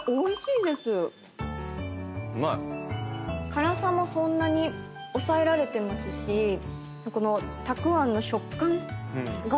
辛さもそんなに抑えられてますしこのたくあんの食感がいいなって思いました。